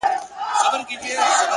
هوډ د شکمنو قدمونو لارښود دی.!